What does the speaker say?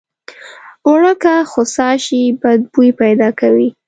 اوړه که خوسا شي بد بوي پیدا کوي